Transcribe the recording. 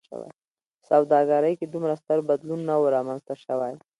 په سوداګرۍ کې دومره ستر بدلون نه و رامنځته شوی.